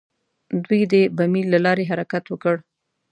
دوی د بمیي له لارې حرکت وکړ.